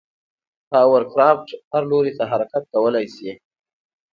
هاورکرافت هر لوري ته حرکت کولی شي.